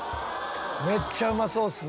「めっちゃうまそうっすね」